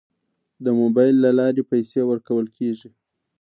د موبایل له لارې پیسې ورکول کیږي.